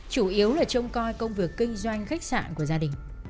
chủ yếu là trông coi công việc kinh doanh khách sạn của gia đình